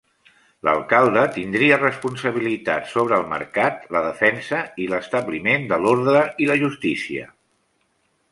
L'alcalde tindria responsabilitat sobre el mercat, la defensa, i l'establiment de l'orde i la justícia.